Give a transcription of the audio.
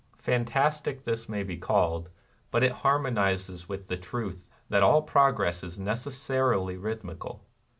Fantastic this may be called; but it har monizes with the truth that all progress is necessarily rhythmical.